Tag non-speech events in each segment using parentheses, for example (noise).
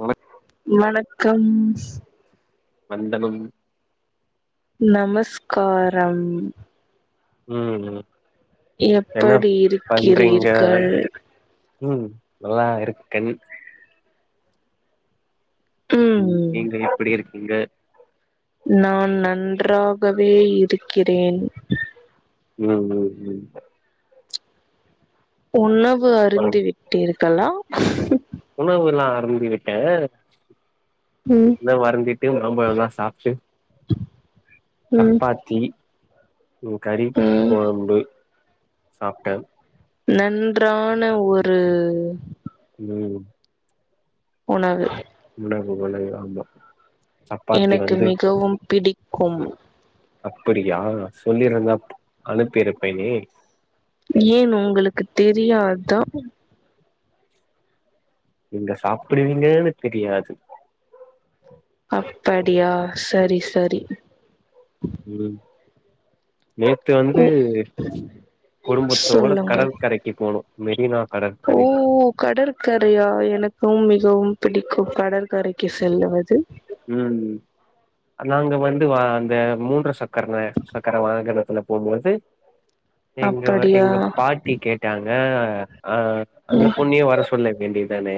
வணக் வணக்கம் வண்டனம் நமஸ்காரம் உஹ்ம் உஹ்ம் எப்டி இருக்கிறீர்கள் உஹ்ம் நல்லா இருக்கன் ம் உம் நீங்க எப்படி இருக்கீங்க நான் நன்றாகவே இருக் கிறேன் உம் உம் உம் ஒன்னா அ அறிந்துவிட்டீர் கலாம் உணவுல்லாம் அறுந்தி விட்டேன் ம் எல்லாம் வறன்டிட்டு மாம்பழல்லாம் சாப்பிட்டு ம் சப்பாத்தி உம் கறி ம் குழும்பு சாப்ட்டன் நன்றான ஒரு உம் உணவு உணவு வளய ஆமா சப்பாத்தி எனக்கு வந்து மிகவும் பிடிக்கும் அப்படியா சொல்லிருந்தாப் அனுப்பி இருப்பேனே ஏன் உங்களுக்கு தெரியாதா நிங்க சாப்பிடுவீங்கன்னு தெரியாது அப்படியா சரி சரி உம் நேற்று வந்து உ குடும்பத்தோட சொல்லுங்கள் கடற்கரைக்கு போனோம் மெரினா ஓ கடற்கரைக்கு கடற்கரையா எனக்கும் மிகவும் பிடிக்கும் கடற்கரைக்கு செல்லுவது உம் நாங்க வந்து வா அந்த மூன்று சக்கரன சக்கர வாகனத்துல போம்போது எங்கவ அப்படியா எங்க பாட்டி கேட்டாங்க ஹ ஆஹ் அந்த ம், பொண்ணியும் வர சொல்ல வேண்டியத் தனே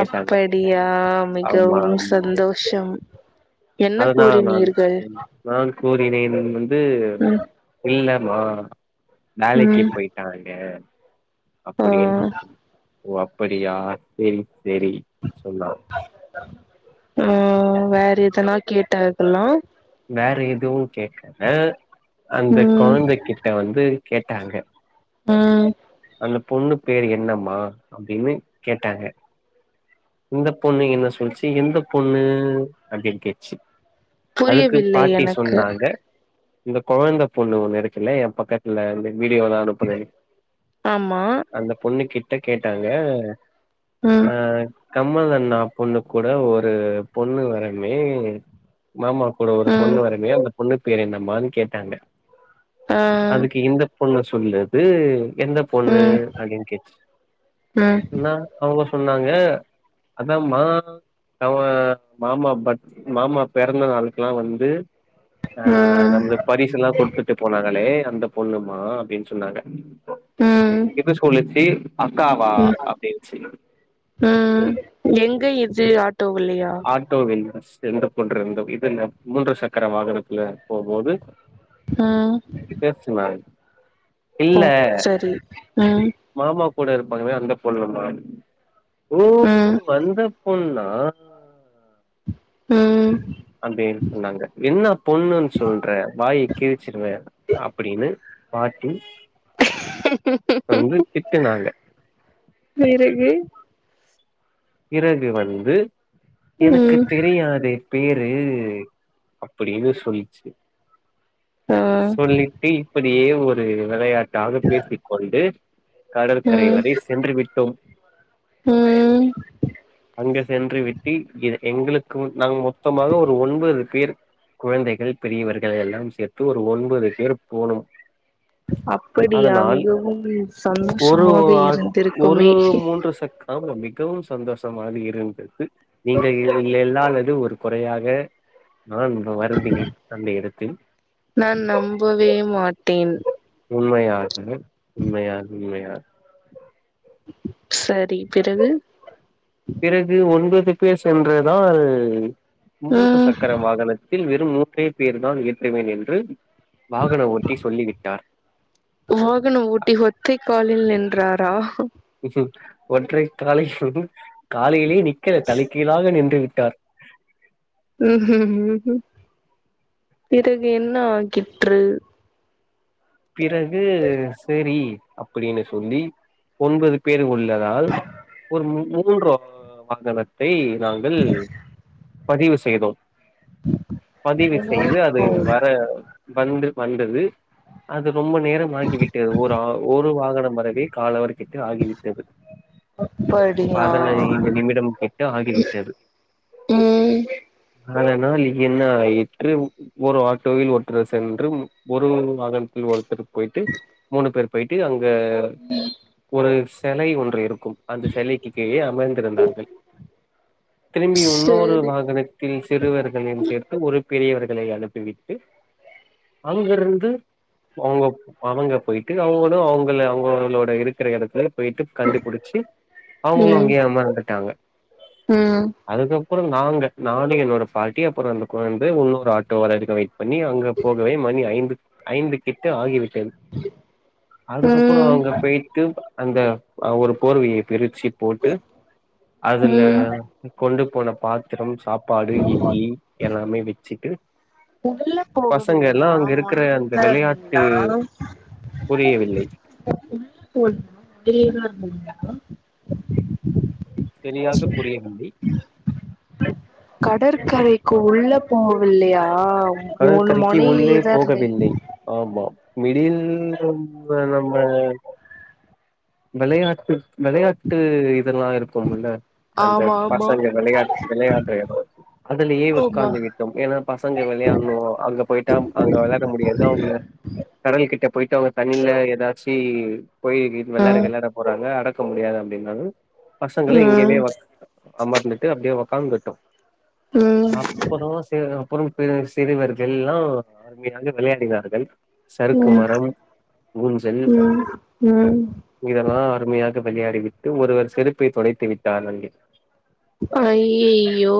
அப்படியா மிகவு ஆமா வும் சந்தோஷம் என்ன அதுதா கூறி நான் நீர்கள் நான் கூறினேன் அது இல்ல வுவா நாளைக்கு ம் போயிட்டாங்க ஆ அப்படியென் சொல் ஓ அப்படியா செரி செரி சொல்லா உஹம் வேற எதனா கேட்டாக்கல்லாம் வேறேதூ கேக்கல அந்த ம் குழந்தைகிட்ட வந்து கேட்டாங்க உஹம் அ பொண்ணு பேர் என்னம்மா அப்படின்னு கேட்டாங்க இந்த பொண்ணு என்ன சொல்லிச்சு எந்த பொண்ணு அப்படி கேச்சு புரியவில்லை எனக்கு இந்த குழந்த பொண்ணு ஒண்ணு இருக்கல என் பக்கத்துல வந்து வீடியோ தாம் அனுப்பது ஆமா அந்த பொண்ணு கி ட்ட கேட்டாங்க ம் ஆஹ் கம்மல் அண்ணா பொண்ணு கூட ஒரு பொண்ணு வரைமே மாமா கூட ஒரு பொண்ணு ம் வரைமே அந்த பொண்ணுக்கு பேர் என்னம்மான்னு கேட்டாங்க ஆ அதுக்கு இந்த பொண்ணு சொல்றது எந்த பொண்ணு ம் அப்படின்னு கேட்ச்சு ம் நா அவங்க சொன்னாங்க அதான் மா அவன் மாமா ப மாமா பிறந்த நாளுக்கெல்லாம் வந்து ம் ஆஹ் நமக்கு பரிசு எல்லாம் கொடுத்துட்டு போனாங்களே அந்த பொண்ணுமா அப்படின்னு சொன்னாங்க ம் இப்ப சொல்லச்சி அக்காவா ம் அப்படின்னுச்ச ம் எங்க இது ஆட்டோவுலையா ஆ தோவி (unintelligible) எந்த போன்றுருந்த இது மூன்று சக்கர வாகனத்துல போகும்போது ஆஹ் ஓ இல்ல சரி உம் மாமா கூட இருப்பாங்கே அந்த பொண்ணுமா ஓ ம் வந்த பொண்ணா ம் அப்டின்னு சொன்னாங்க என்ன பொண்ணு சொல்ற வாய் கிழிச்சிருவே அப்டின்னு பாட்டி வந்து திட்டுனாங்க பிறகு பிறகு வந்து எனக்கு ம் தெரியாதே பேரு அப்டின்னு சொல்லிச்சு ஆ சொல்லிட்டு இப் பியெ ஒரு விளையாட் த்தாக பேசிக்கொண்டு கடற்கரை வரை சென்று விட்டோம் உம் இங்க சென்று விட்டு எ எங்களுக்கு நாங்க மொத்தமாக ஒரு ஒன்பது பேர் குழந்தைகள் பெரியவர்கள் எல்லாம் சேர்த்து ஒரு ஒன்பது பேர் போனோம் அப்டியா அதனால் மிகவும் ஒரு சந்தோஷமாக ஆ ஒரு இருந்திருக்குமே மூன்று சக் ஆமா மிகவு சு சந்தோஷமாக இருந்து கு நீங்க இல்லல்ங்லே நானது ஒரு குறையாக நான் வருந்தினேன் அந்த இடத்தில் நான் நம்பவே மாட்டேன் உண்மையாக உண்மையா உண்மையா சர் (unintelligible) பேசன்றதுதா மூன்கு ம் சக்கர வாகனத்தில் வெறும் ஒற்றைய பேர்தான் ஏற்றவேன் என்று வாகன ஓட்டி சொல்லிவிட்டார். வாகன ஓட்டி த்தே காலில் நின் றாரா ஹ் ஒற்றை காலை ஹ் காலையிலயே நி க்க தலைிக்ககளாக நின்று விட் ட்டார் உ ஹ்ம் ஹ்ம்க் பிறகு என்ன ஆகிற்று பிறகு சேரி அப்டின்னு சொல்லி ஒன்பது பேரு உள் ததால் ஒரு மூன்ரோ அகலத்தை நாங்கள் பதிவு செய்தோம் பதிவு செய்து அது ஓ வர வந்து வந்தது அது ரொம்ப நேரம் ஆகி விட்டது ஒரா ஒரு வாகனம் வறவே காலவர் கிட் ஆகிவிட்டது அப்படியா பதனைந்து நிமிடம் கிட்ட ஆகிவிட்டது ம் அதனால் என்ன ஆயிற்று ஒரு ஆட்டோவில் ஒருத்தர சென்று ஒரு வாகன களில் ஒருத்தர் போய்ட்டு மூணு பேரு போய்ட்டு அங் தே ஒரு செலை ஒன்று இருக் கும் அந்த செலைக்கு கீழே அமர்ந்திருந்தார்கள் திரும்பி இன்னொரு சேரி வாகனத்தில் சிறுவர்களையும் சேர்த்து ஒரு பெரியவர களை அனுப்பிவிட்டு அங்குருந்து அவங்க அவங்க போய்ட்டு அவங்களு அவங்கள அவங்களோட இருக்ற இடத் போய்ட்டு கண்டுபுடிச்சி அவங்களு ம் அங்கேய அமர்ந்துட்டாங்க ம் அப்பறோ நாங்க நானு என்னோட பாட்டி அப்பறோ அந்த கொழந்த இன்னொரு ஆட்டோ வர வரைக்கு வே பணி அங்க போகவே மணி ஐந்து ஐந்து திக்க ஆகி விட் டது அதுக்கப்பறோ ம் அங்க போய்ட்டு அந்த ஒரு போர்வையை பிரித் ச்சி போட்டு அதுல ம் கொண்டு போன பாத்திரம் சாப் பாடு இட்லி எல்லாமே வெச்சி ட்டு உள்ள போகவில்லயா இருக்கிற மொத்தல அந்த விளையாட்டு புரியவில்லை (unintelligible) (inaudible) செரியாக புரியவில்லை கடற்கரைக்கு உள்ள போவில்லையா மூணு கடற்கரைக்கு உள்ளே மொனையிலேயேதா இருந்தே போகவில்லை ஆமா மிடில் ரொம்ப நம்பல வெளையாட்டு வெளையாட்டு இதெல்லா இருக்கோம் இல்ல அந்த ஆமா ஆமா பசங்க வெளையாட்டு வெளையாடுற எடோ அதுலியே ஆமா உட்கார்ந்து விட்டோம் ஏன்னா பசங்க வெளையாடனோ அங்க போயிட்டா அங்க வெளையாட முடியாது அவுங்கள கடல் கிட்ட போயிட்டு அ தண்ணில ஏதாச்சி போய் ஆ வெளாட கிளாடா போறாங்க அட இருக்க முடியாது அப்டின்னாலு பசங்கள இங்கவே ம் அமர்ந்துட்டு அப்டேவோ காங்கட்டோ ம் அப்பறோ செரி அப்பறம் பிற சிறுவர்கெல்லா இங்க அங்க வெளையாடினார்கள் உம் உம் உம் இதலா அருமையா வெளையாடிவிட்டு ஒருவர் செருப்பைத் தொலைத்து விட்டான் அங்கே அய்யய்யோ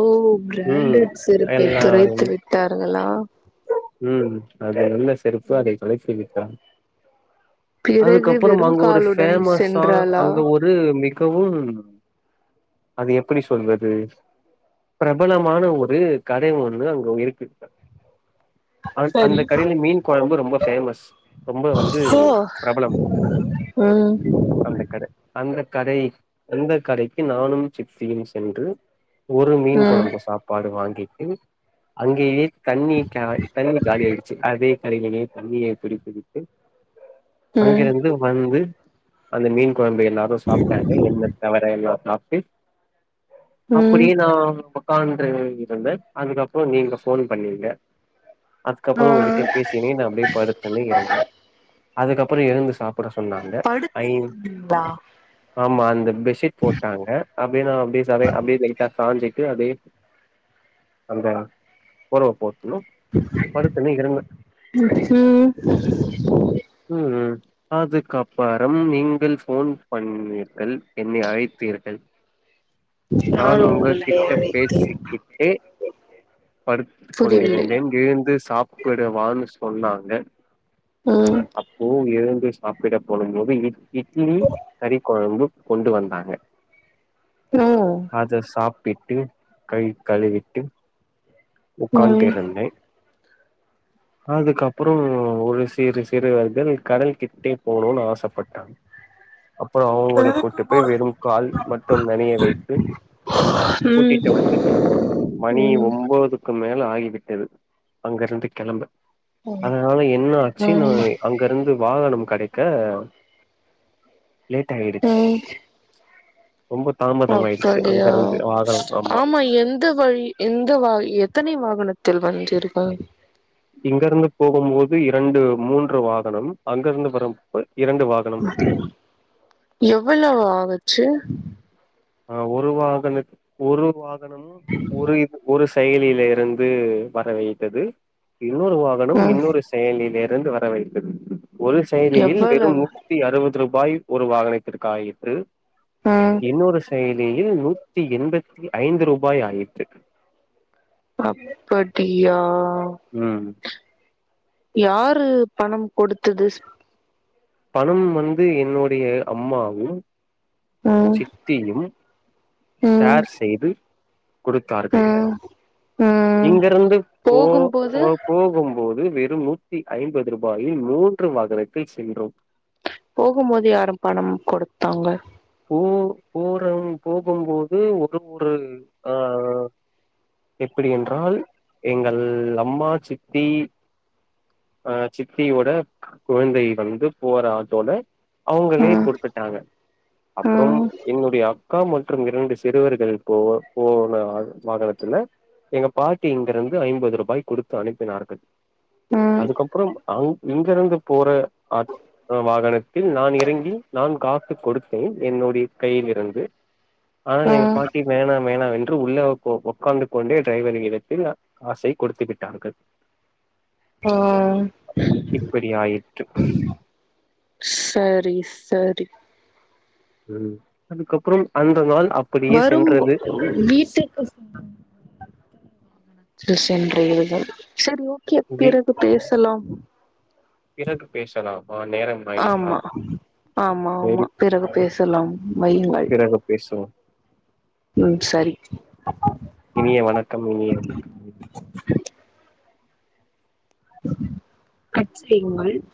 ம் பிராண்டட் செருப்பை துரைத்து எல்லாருமே விட்டார்களா உம் அது நல்ல செருப்பு அதை தொலைத்துவி தான் பிறகு வெறும் காலோ மே மாசோ அங்க ஒரு மிக்கவும் அது எப்படி சொல்வது பிரபலமான ஒரு கடை ஒன்னு அங்க இருக்கு ஆன் அந்த சரி கடைல மீன் கொழம்பு ரொம்ப ஃபேமஸ் ரொம்ப வந்து பிரபலம் அந்த கட அந்த உம் கடை இந்த கடைக்கு நானும் சிச்சியும் சென்று ஒரு மீன் ம் கொழம்பு சாப்பாடு வாங்கி கெட்டு அங்கேயே தண்ணி காய் தண்ணி அதே அருகிலே கம்பியை பிடித்துவிட்டு ம் அங்கிருந்து வந்து அந்த மீன் கொழம்பு எல்லா லோ சாப்ட்டாங்க என்ன தவற எல்லாந்தா டி ம் அப்டினா மக்கான் (unintelligible) இருந்தே அதுக்கப்பறோ நீங்க ஃபோன் பண்ணீங்க ஆ அதுக்கப்பறோ உங்கிட்ட பேசினே நான் அப்டியே படுத்தன்னே இறந்தே அதுக்கப்றோ எழுந்து சாப்புட சொன்னாங்க ஐ படுத்துனு நிறுந்தீங்களா ஆமா அந்த பெட்ஷீட் போட்டாங்க அப்டியே நான் அப்டியே ச அப்டியோ லைட்டா சாஞ்சிட்டு அப்டியே அந்த பொர்வ போ அ (unintelligible) அதுக்காப் வரம் நீங்கள் ஃபோன் பண்ணீர்கள் என்னை அழைத்தீர்கள் நான் உங்க உங்களை கிட்ட அழைத்தேன் பேசிக்கிட்டே படுத்துக் புரியவில்லை கொண்டிருந்தேன் எழுந்து சாப்புடவா சொன்னாங்க ம் அப்போ எழுந்து சாப்பிடப் போடும்போதுட (unintelligible) இட்லி கறி கொழம்பு கொண்டு வந்தாங்க ஓ அத சப் ப்பிட்டு கை கழுவிட்டு உக்கான்ட்டு ம் இருந்தே அதுக்கப்பறோ ஒரு சிறு சிறுவர்கள் கடல் கிட்டே போனு ஆசப்பட்டா அப்பறோ அவங்கள கூட்டு போய் வெறும் கால் மட்டும் நனையை வைத்து ம் கூட்டிட்டு வந்து மணி ம் ஒன்போதுக்கு மேல ஆகிவிட் (unintelligible) கெளம்ப அதனால என்ன ஆச்சு நான் ம் அங்க இருந்து வாகனம் கடைக் க லேட் ஆயிடுச்சு ம் ரொம்ப தாமதமாயிடுச்சு அப்படியா அங்கருந்து வாகனம் ஆமா எந்த வழி எந்த எத்தனை வாகனத்தில் வந்துருக்க இங்கருந்து போகும்போது இரண்டு மூன்று வாகனம் அங்க இருந்து வரும் எவ்வளோ ஆச்சு ஆஹ் ஒரு வாகனத் ஒரு வாக் (unintelligible) ஒரு இது ஒரு செயலியில இருந்து வரவையிட்டது இன்னொரு வாகனம் ம் இன்னொரு செயலி வேற இருந்து வர வைத்து ஒரு செய்தியில் வெறும் எவ்வளவு நூற்று அறுபது ரூபா வாய் ஒரு வாகனத்திற்கு ஆயிற்று உம் வேலையில் நூற்றி எண்பத்தைந்து ரூபாய் ஆயிற்று அப்படியா உஹம் ரு பணம் கொடுத்தது பணம் வந்து என்னுடைய அம்மாவும் ம் சித்தியும் ம் ஷேர் செய்து கொடுத்தார்கள் ம் ம் இங்கிருந்து போ போகும்போது போகும்போது வெறும் நூற்று ஐம்பது ரூபாயில் மூன்று வாகனத்தில் சென்றோம் போகும்போது யாரும் பணம் கொடுத்தாங்க போ போறோம் போகும்போது ஒரு ஒரு ஆஹா எப்படி என்றால் எங்கள் அம்மா சித்தி ஆஹ் சித்தினுடைய குழந்தை வந்து போற ஆட்டோல அவுங்களே ம் கொடுத்துட்டாங்க அப்புறம் ம் என்னுடைய அக்கா மற் றும் இரண்டு சிறுவர்கள் போ வாகனத்துல எங்க பாட்டி இங்கிருந்து ஐம்பது ரூபாய் கொடுத்து அனுப்பினார்கள் ம் அதுக்குப்பறம் அங்கு இங்கிருந்து போற ஆ வாகனத்தில் நான் இறங்கி நான் காசு கொடுத்தேன். என்னுடைய கையில் இருந்து ஆனால் என் ம் பாட்டி வேணா வேணா என்று உள்ள உட்கார்ந்து கொண்டே டிரைவரின் இடத்தில் காசை கொடுத்து விட்டார்கள் ஆஹ் ப்படி ஆயிற்று சரி சரி உம் அதுக்கப்புறம் அந்த நாள் அப்படியே வரும் சென்றது வீட்டுக்கு செல் சென்று யிருந்த சரி ஓகே வி பிறகு பேசலாம் பிறகு பேசலாமா நேரம் ஆயிற்றா ஆமா! ஆமா! ஆமா! சரி பிறகு பேசலாம் வையுங்கள். பிறகு பேசுவோம் ம் சரி இனிய வணக்கம்! இனிய வணக்கம்! கட்டு செய்யுங்கள்